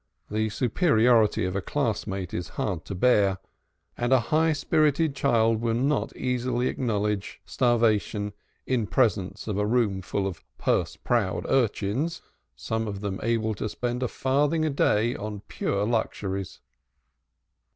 The superiority of a class mate is hard to bear, and a high spirited child will not easily acknowledge starvation in presence of a roomful of purse proud urchins, some of them able to spend a farthing a day on pure luxuries.